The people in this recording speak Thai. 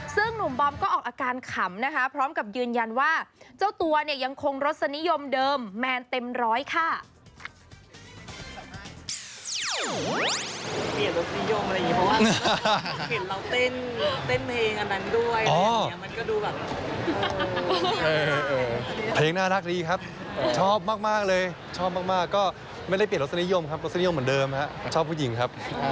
ซึ่งหนุ่มบอมก็ออกอาการขำนะคะพร้อมกับยืนยันว่าเจ้าตัวเนี่ยยังคงรสนิยมเดิมแมนเต็มร้อยค่ะ